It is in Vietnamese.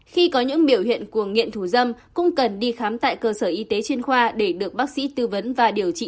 khi có những biểu hiện của nghiện thủ dâm cũng cần đi khám tại cơ sở y tế chuyên khoa để được bác sĩ tư vấn và điều trị